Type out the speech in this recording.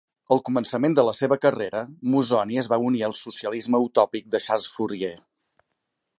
Al començament de la seva carrera, Mozzoni es va unir al socialisme utòpic de Charles Fourier.